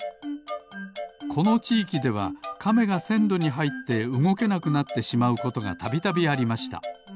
このちいきではカメがせんろにはいってうごけなくなってしまうことがたびたびありました。